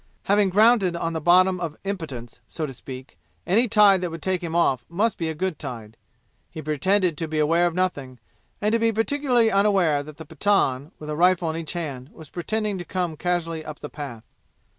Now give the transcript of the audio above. Having grounded on the bottom of impotence, so to speak, any tide that would take him off must be a good tide. He pretended to be aware of nothing, and to be particularly unaware that the Pathan, with a rifle in each hand, was pretending to come casually up the path.